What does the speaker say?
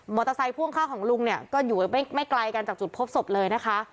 เตอร์ไซค่วงข้างของลุงเนี่ยก็อยู่ไม่ไกลกันจากจุดพบศพเลยนะคะ